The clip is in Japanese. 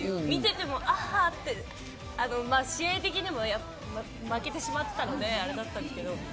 見ていてもあって、試合的にも負けてしまったので、あれだったんですけど。